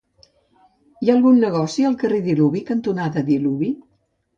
Hi ha algun negoci al carrer Diluvi cantonada Diluvi?